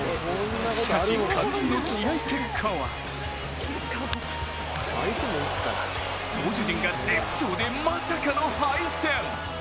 しかし肝心の試合結果は投手陣が絶不調でまさかの敗戦。